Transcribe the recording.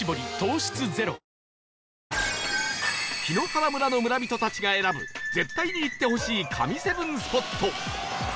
檜原村の村人たちが選ぶ絶対に行ってほしい神７スポット